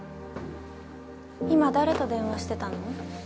今誰と電話してたの？